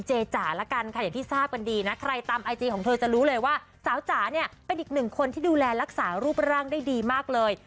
เธอจะรู้เลยว่าสาวจ๋าเนี่ยเป็นอีกหนึ่งคนที่ดูแลรักษารูปร่างได้ดีมากเลย